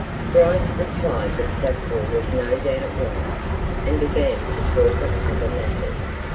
Bryce replied that Sackville was no doubt right, and began to talk of other matters.